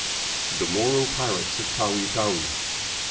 The Moro Pirates of Tawi Tawi.